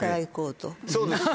そうです。